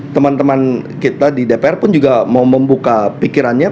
teman teman kita di dpr pun juga mau membuka pikirannya